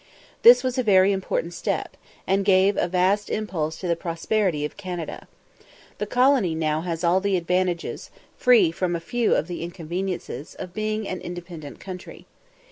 This was a very important step, and gave a vast impulse to the prosperity of Canada. The colony now has all the advantages free from a few of the inconveniences of being an independent country.